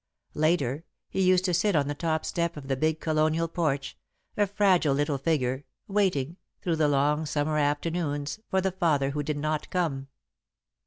Later, he used to sit on the top step of the big Colonial porch a fragile little figure waiting, through the long Summer afternoons, for the father who did not come.